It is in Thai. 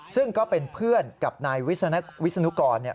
ซึ่งก็เป็นเพื่อนกับนายวิศนุกร